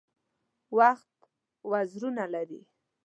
وخت وزرونه لري .